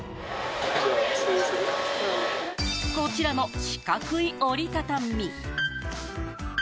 こちらの四角い折り畳み。